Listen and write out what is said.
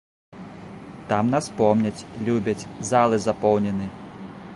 Там нас помняць, любяць, залы запоўнены.